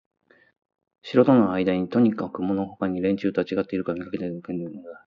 城とのあいだにともかくもほかの連中とはちがってはいるがただ見かけだけにすぎない関係をもつような村の労働者であろうとするのか、